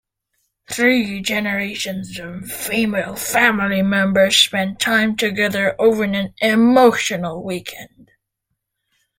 Three generations of female family members spend time together over an emotional weekend.